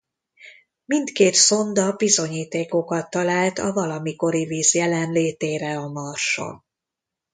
Mindkét szonda bizonyítékokat talált a valamikori víz jelenlétére a Marson.